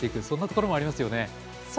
そんなところもありますよね。